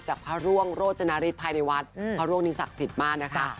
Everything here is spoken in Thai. จากพระร่วงโรจนริสร์ภายในวัสตร์พระร่วงนิสสักศิรษฐ์มาสนะคะ